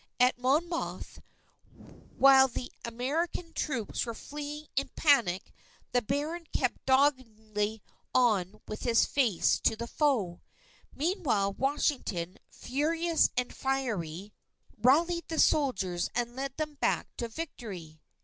At Monmouth, while the American troops were fleeing in panic, the Baron kept doggedly on with his face to the foe. Meanwhile, Washington, furious and fiery, rallied the soldiers and led them back to victory.